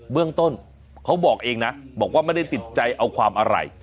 เรื่องต้นเขาบอกเองนะบอกว่าไม่ได้ติดใจเอาความอะไร